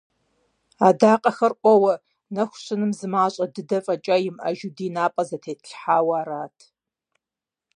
Адакъэхэр Ӏуэуэ, нэху щыным зымащӀэ дыдэ фӀэкӀа имыӀэжу ди напӀэ зэтетлъхьэу арат!